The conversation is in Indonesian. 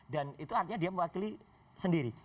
itu artinya dia mewakili sendiri